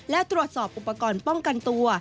และตรวจสอบอุปกรณ์ป้องกันตัว